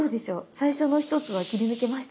最初の１つは切り抜けました？